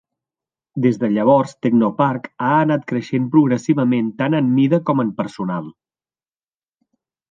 Des de llavors, Technopark ha anat creixent progressivament tant en mida com en personal.